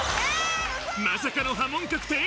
まさかの破門確定⁉